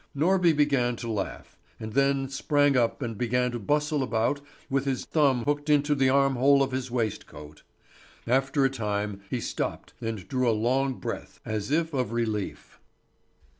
Norby began to laugh, and then sprang up and began to bustle about with his thumb hooked into the armhole of his waistcoat. After a time he stopped and drew a long breath as if of relief.